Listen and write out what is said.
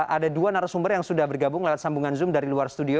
ada dua narasumber yang sudah bergabung lewat sambungan zoom dari luar studio